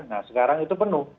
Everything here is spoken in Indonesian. nah sekarang itu penuh